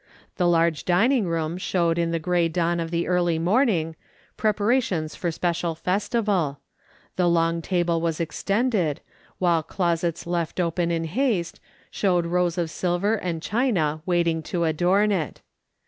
The large dining room showed in the grey dawn of the early morning, preparations for special festival; the long table was extended, "/ HAVE TO STAY OUTSIDE AND IFA/T" i6i while closets left open in haste, showed rows of silver and china waiting to adorn it.